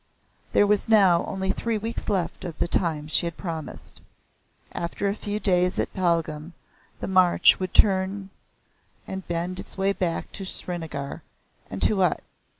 There was now only three weeks left of the time she had promised. After a few days at Pahlgam the march would turn and bend its way back to Srinagar, and to what?